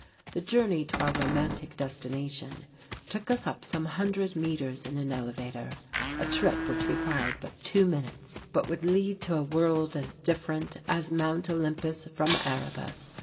The journey to our romantic destination took us up some hundred metres in an elevator, a trip which required but two minutes, but would lead to a world as different as Mount Olympus from Erebus.